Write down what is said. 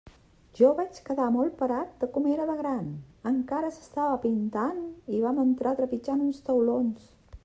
Jo vaig quedar molt parat de com era de gran; encara s'estava pintant, i vam entrar trepitjant uns taulons.